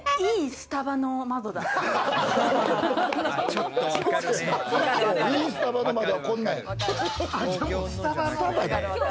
スタバの窓はこんなんや。